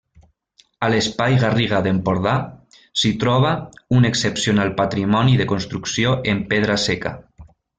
A l'espai Garriga d'Empordà, s'hi troba un excepcional patrimoni de construcció en pedra seca.